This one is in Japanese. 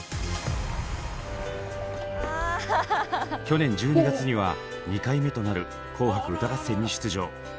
去年１２月には２回目となる「紅白歌合戦」に出場。